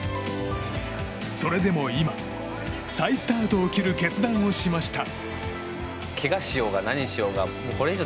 それでも今、再スタートを切る決断をしました。